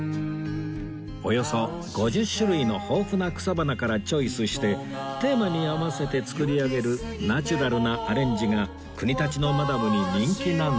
およそ５０種類の豊富な草花からチョイスしてテーマに合わせて作り上げるナチュラルなアレンジが国立のマダムに人気なんだとか